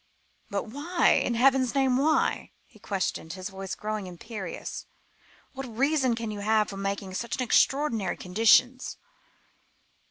"But why? in heaven's name, why?" he questioned, his voice growing imperious. "What reason can you have for making such extraordinary conditions?"